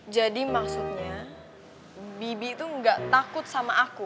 jadi maksudnya bibi tuh gak takut sama aku